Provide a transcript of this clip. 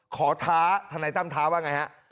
ขอท้าท่านายตั้มท้าว่าไงครับ